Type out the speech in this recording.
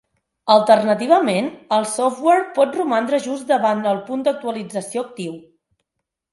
Alternativament, el software pot romandre just davant el punt d'actualització actiu.